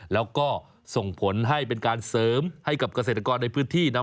แล้วก็ส่งผลให้เป็นการเสริมให้กับเกษตรกรในพื้นที่นะ